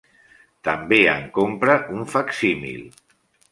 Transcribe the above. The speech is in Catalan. També en compra un facsímil.